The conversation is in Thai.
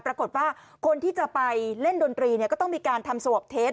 ปรากฏว่าคนที่จะไปเล่นดนตรีเนี่ยก็ต้องมีการทำสวอปเทส